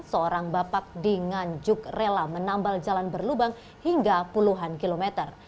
seorang bapak di nganjuk rela menambal jalan berlubang hingga puluhan kilometer